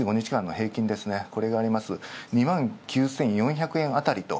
これがあります、２万９４００円あたりと。